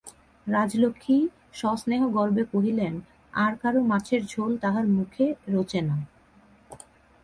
রাজলক্ষ্মী সস্নেহগর্বে কহিলেন, আর-কারো মাছের ঝোল তাহার মুখে রোচে না।